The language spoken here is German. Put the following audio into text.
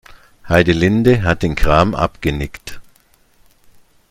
Heidelinde hat den Kram abgenickt.